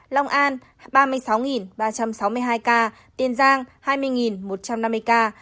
long an ba mươi sáu ba trăm sáu mươi hai ca tiên giang hai mươi một trăm năm mươi ca